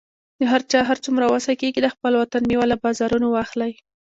د هر چا هر څومره وسه کیږي، د خپل وطن میوه له بازارونو واخلئ